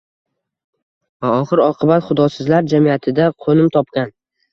va oxir-oqibat “xudosizlar jamiyati”da qo’nim topgan